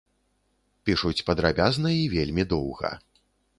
Пішуць падрабязна і вельмі доўга.